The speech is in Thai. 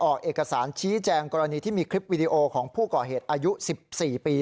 ออกเอกสารชี้แจงกรณีที่มีคลิปวิดีโอของผู้ก่อเหตุอายุ๑๔ปี